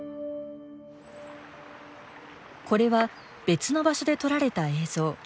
これは別の場所で撮られた映像。